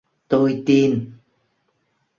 tôi tin